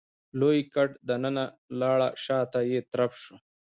لوی ګټ دننه لاړ شاته يې ترپ شو.